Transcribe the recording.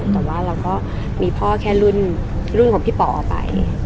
แต่ว่าเราก็มีพ่อแค่รุ่นของพี่ป๋อไป